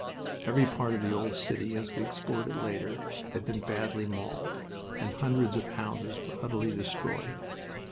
Every part of the old city, as we explored it later, had been badly mauled, and hundreds of houses were utterly destroyed.